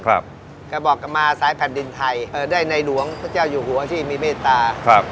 ครับเธอบอกมาสายแผ่นดินไทยได้ในหลวงพระเจ้าอยู่หัวที่มีเมตตา